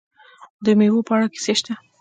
د میوو په اړه کیسې شته.